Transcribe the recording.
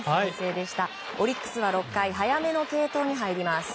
オリックスは６回早めの継投に入ります。